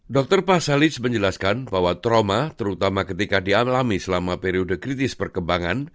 dr pah salits menjelaskan bahwa trauma terutama ketika dialami selama periode kritis perkembangan